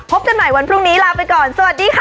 พบกันใหม่วันพรุ่งนี้ลาไปก่อนสวัสดีค่ะสวัสดีค่ะ